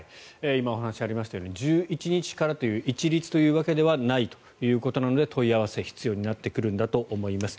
今、お話ありましたように１１日からという一律というわけではないということなので問い合わせが必要になってくるんだと思います。